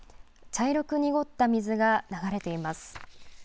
茶色く濁った水が流れています。